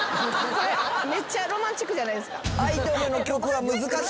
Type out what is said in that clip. めっちゃロマンチックじゃないですか？